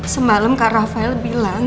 semalam kak rafael bilang